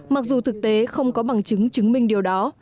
mặc dù thực tế không có bằng chứng chứng minh điều đó